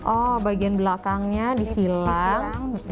oh bagian belakangnya disilang